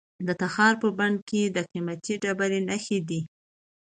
د تخار په بنګي کې د قیمتي ډبرو نښې دي.